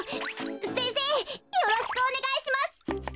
せんせいよろしくおねがいします。